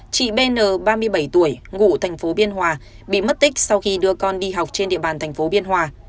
chị bn ba mươi bảy tuổi ngụ thành phố biên hòa bị mất tích sau khi đưa con đi học trên địa bàn thành phố biên hòa